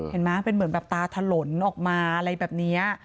เห็นไหมเป็นเหมือนแบบตาถล่นออกมาอะไรแบบนี้